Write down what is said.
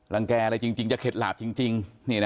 แกอะไรจริงจะเข็ดหลาบจริง